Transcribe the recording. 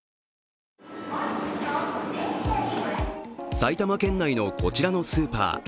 埼玉県内のこちらのスーパー。